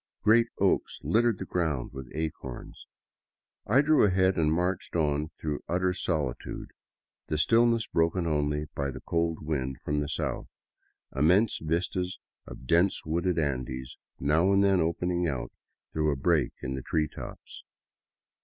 Great oaks littered the ground with acorns. I drew ahead and marched on through utter solitude, the stillness broken only by the cold wind from the south, immense vistas of dense wooded Andes now and then open ing out through a break in the tree tops.